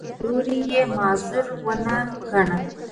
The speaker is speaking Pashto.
مقابل لوری یې معذور ونه ګاڼه.